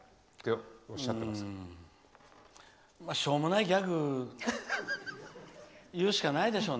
うーん。しょうもないギャグ言うしかないでしょうね。